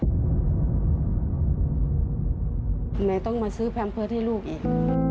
ไหนต้องมาซื้อแพมเพิร์ตให้ลูกอีก